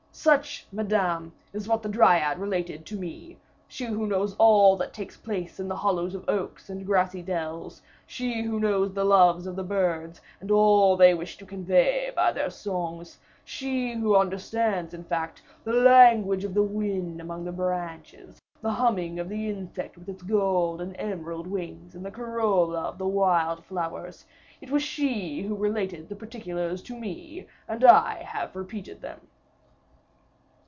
Such, Madame, is what the Dryad related to me; she who knows all that takes place in the hollows of oaks and grassy dells; she who knows the loves of the birds, and all they wish to convey by their songs; she who understands, in fact, the language of the wind among the branches, the humming of the insect with its gold and emerald wings in the corolla of the wild flowers; it was she who related the particulars to me, and I have repeated them."